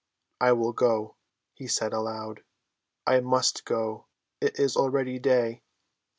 "I will go," he said aloud. "I must go. It is already day."